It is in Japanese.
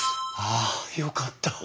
あよかった。